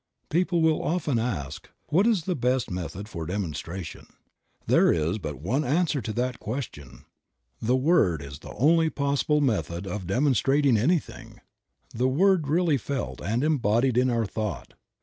People will often ask, "What is the best method for demonstration ?" There is but one answer to that question ; the Word is the only possible method of demonstrating anything ; the word really felt and embodied in our thought.